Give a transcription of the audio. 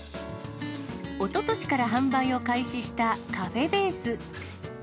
おととしから販売を開始したカフェベース。